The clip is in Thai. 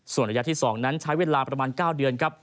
ส่วนระยะที่๒นั้นใช้เวลาประมาณ๙เดือนครับ